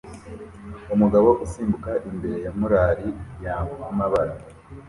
Umugabo usimbuka imbere ya mural y'amabara